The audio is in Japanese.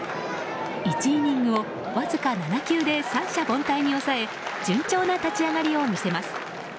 １イニングをわずか７球で三者凡退に抑え順調な立ち上がりを見せます。